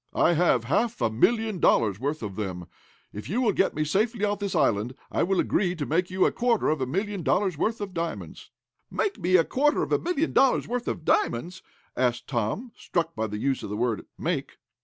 I have half a million dollars worth of them. If you get me safely off this island, I will agree to make you a quarter of a million dollars worth of diamonds!" "Make me a quarter of a million dollars worth of diamonds?" asked Tom, struck by the use of the work "make."